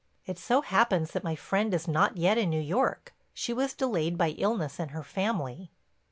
It so happens that my friend is not yet in New York. She was delayed by illness in her family."